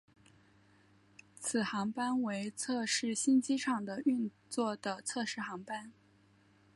此航班为测试新机场的运作的测试航班。